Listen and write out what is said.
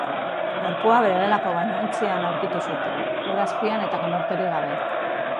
Gorpua bere gelako bainuontzian aurkitu zuten, ur azpian eta konorterik gabe.